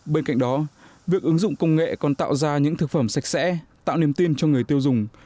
bên cạnh đó việc ứng dụng công nghệ còn tạo ra những thực phẩm sạch sẽ tạo niềm tin cho người tiêu dùng